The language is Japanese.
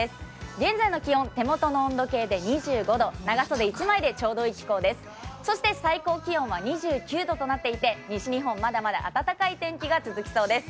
現在の気温、手元の温度計で２５度長袖一枚でちょうどいい気候です、最高気温は２９度となっていて、西日本まだまだ暖かい天気が続きそうです。